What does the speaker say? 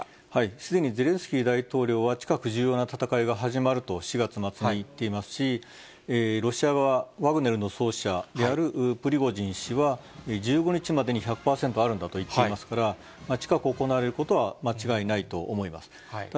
すでにゼレンスキー大統領は、近く、重要な戦いが始まると、４月末に言っていますし、ロシア側は、ワグネルの創始者、プリゴジン氏は、１５日までに１００％あるんだといっていますから、近く行われることは間違いないと思います。